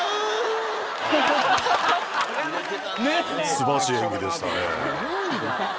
素晴らしい演技でしたね。